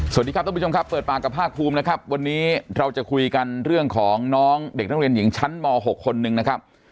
สวัสดีครับท่านผู้ชมครับเปิดปากกับภาคภูมินะครับวันนี้เราจะคุยกันเรื่องของน้องเด็กนักเรียนหญิงชั้นม๖คนหนึ่งนะครับ